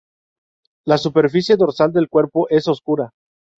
La superficie dorsal del cuerpo es oscura.